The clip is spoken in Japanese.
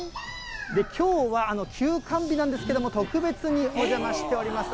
きょうは、休館日なんですけども、特別にお邪魔しております。